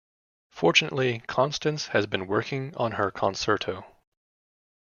Fortunately, Constance has been working on her concerto.